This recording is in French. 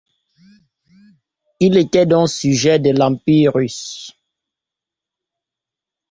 Il était donc sujet de l'Empire russe.